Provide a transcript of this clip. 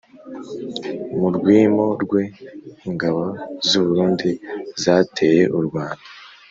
mu rwimo rwe ingabo z'u burundi zateye u rwanda